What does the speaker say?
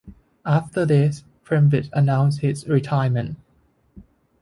After this, Pembridge announced his retirement.